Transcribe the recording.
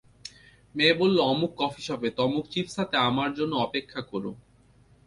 মেয়ে বললো অমুক কফিশপে, তমুক চিপস হাতে আমার জন্য অপেক্ষা কোরো।